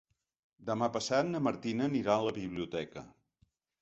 Demà passat na Martina anirà a la biblioteca.